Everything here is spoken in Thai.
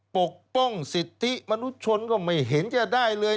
ปกป้องสิทธิมนุษยชนก็ไม่เห็นจะได้เลย